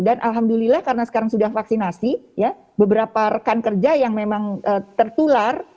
dan alhamdulillah karena sekarang sudah vaksinasi ya beberapa rekan kerja yang memang tertulang